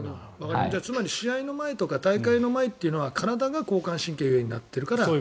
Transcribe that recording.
つまり試合の前とか大会の前というのは体が交感神経優位になっているから。